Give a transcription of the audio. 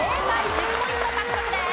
１０ポイント獲得です。